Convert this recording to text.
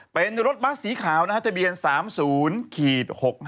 เป็นรถบัสสีขาวนะครับทะเบียน๓๐๖๕๑๔ภูเก็ต